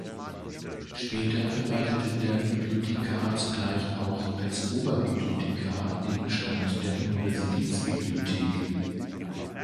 Später verwaltete der Bibliothekar zugleich auch (als Oberbibliothekar) den Bestand der Universitätsbibliothek.